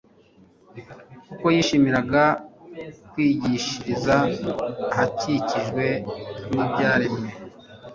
kuko yishimiraga kwigishiriza ahakikijwe n'ibyaremwe